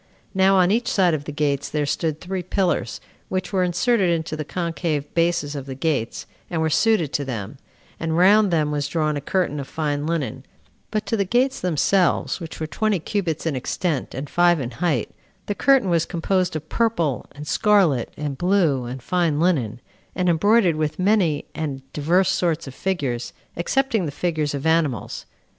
Now on each side of the gates there stood three pillars, which were inserted into the concave bases of the gates, and were suited to them; and round them was drawn a curtain of fine linen; but to the gates themselves, which were twenty cubits in extent, and five in height, the curtain was composed of purple, and scarlet, and blue, and fine linen, and embroidered with many and divers sorts of figures, excepting the figures of animals.